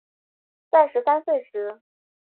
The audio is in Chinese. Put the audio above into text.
在十三岁时